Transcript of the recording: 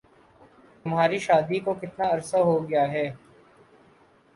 تمہاری شادی کو کتنا عرصہ ہو گیا ہے؟